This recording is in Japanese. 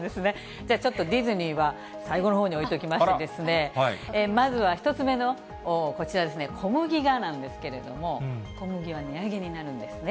じゃあちょっとディズニーは最後のほうに置いておきまして、まずは１つ目のこちらですね、小麦がなんですけれども、小麦は値上げになるんですね。